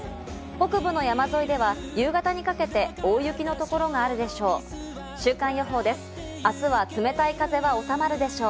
北部の山沿いでは夕方にかけて大雪のところがあるでしょう。